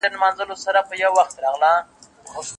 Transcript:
پر غوټۍ د انارګل به شورماشور وي